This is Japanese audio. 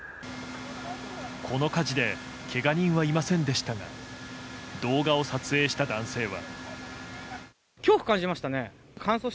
この火事でけが人はいませんでしたが動画を撮影した男性は。